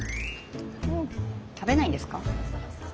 食べないんですか？